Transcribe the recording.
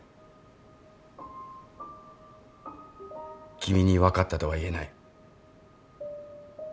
君に分かったとは言えない。